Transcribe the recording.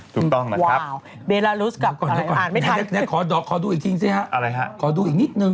ทีมนี่เราเชียร์นี่ไทยเจอเกาหลีเหนือ